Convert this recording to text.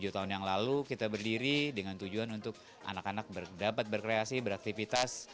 tujuh tahun yang lalu kita berdiri dengan tujuan untuk anak anak dapat berkreasi beraktivitas